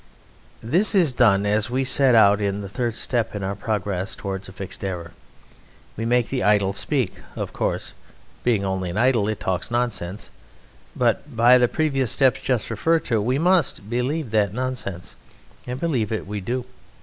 This done, we set out in the third step in our progress towards fixed error. We make the idol speak. Of course, being only an idol, it talks nonsense. But by the previous steps just referred to we must believe that nonsense, and believe it we do.